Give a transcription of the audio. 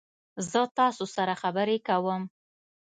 زه تاسو سره خبرې کوم.